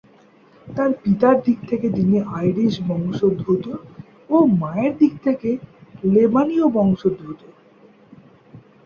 তার পিতার দিক থেকে তিনি আইরিশ বংশোদ্ভূত ও মায়ের দিক থেকে লেবানীয় বংশোদ্ভূত।